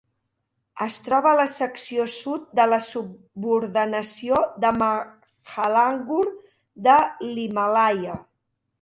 Es troba a la secció sud de la subordenació de Mahalangur de l'Himàlaia.